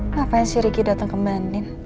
ngapain si riki dateng ke mbak anin